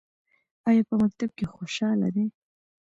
ایا په مکتب کې خوشحاله دي؟